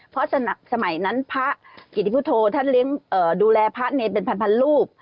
เพราะสมัยนั้นพระกิติพุทธท่านดูแลพระเนรเป็นพันรูป